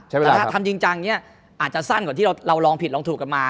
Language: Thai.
แต่ถ้าทำจริงจังเนี่ยอาจจะสั้นกว่าที่เราลองผิดลองถูกกันมา